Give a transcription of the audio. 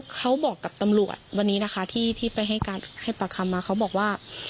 เขาบอกกับตำรวจวันนี้นะคะที่ไปให้การให้ปากคำมาเขาบอกว่า